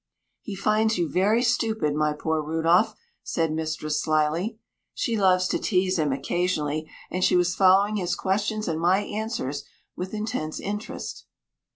"He finds you very stupid, my poor Rudolph," said mistress slyly. She loves to tease him occasionally, and she was following his questions and my answers with intense interest.